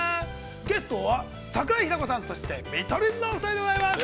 ゲストは、桜井日奈子さん、そして、見取り図のお二人でございます。